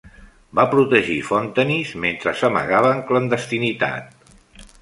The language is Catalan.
Va protegir Fontenis mentre s'amagava en clandestinitat.